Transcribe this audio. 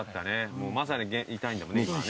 もうまさに痛いんだもんね今ね。